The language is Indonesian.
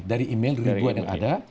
dari email ribuan yang ada